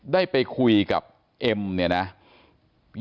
ได้ไปคุยกับเกมเนี่ยนะอยากจะไปรู้อีกเรื่องนึง